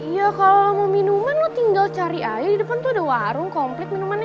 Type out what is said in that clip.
ya kalau mau minuman lo tinggal cari aja di depan tuh ada warung komplit minumannya